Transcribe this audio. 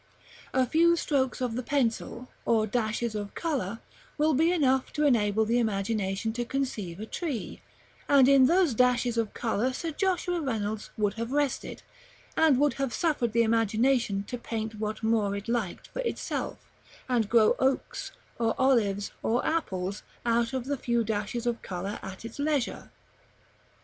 A few strokes of the pencil, or dashes of color, will be enough to enable the imagination to conceive a tree; and in those dashes of color Sir Joshua Reynolds would have rested, and would have suffered the imagination to paint what more it liked for itself, and grow oaks, or olives, or apples, out of the few dashes of color at its leisure.